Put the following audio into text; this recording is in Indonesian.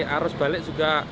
arus balik juga